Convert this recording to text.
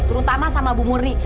terutama sama bu murni